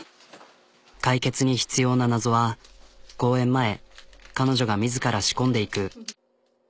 解決に必要な謎は公演前彼女が自ら仕込んでいく。